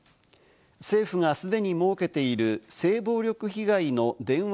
政府が既に設けている性暴力被害の電話